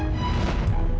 tidak ada yang bisa mengaku